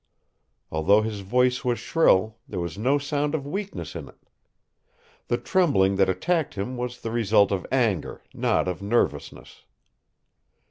Although his voice was shrill, there was no sound of weakness in it. The trembling that attacked him was the result of anger, not of nervousness.